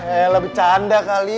eh lah becanda kali